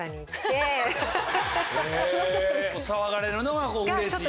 騒がれるのがうれしい？